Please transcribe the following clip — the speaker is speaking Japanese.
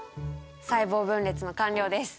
細胞分裂の完了です。